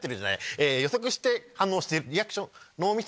え予測して反応しているリアクション脳みそ？